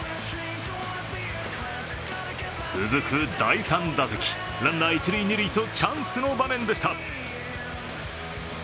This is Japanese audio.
続く第３打席、ランナー、一塁二塁とチャンスの場面でした。